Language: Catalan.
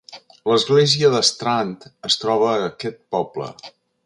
L'església d'Strand es troba a aquest poble.